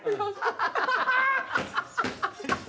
ハハハハハ！